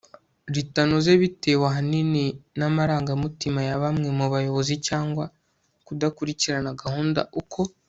ritanoze bitewe ahanini n amarangamutima ya bamwe mu bayobozi cyangwa kudakurikirana gahunda uko